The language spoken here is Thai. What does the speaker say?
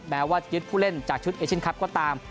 ว่ายึดผู้เล่นจากชุดเอเชียนคลับก็ตาม